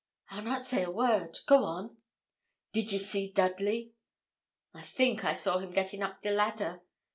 'I'll not say a word. Go on.' 'Did ye see Dudley?' 'I think I saw him getting up the ladder.'